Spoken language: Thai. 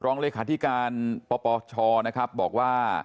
รองเลขาธิการปปชนะครับบอกว่า